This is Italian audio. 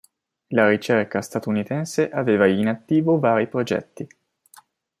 La ricerca statunitense aveva in attivo vari progetti.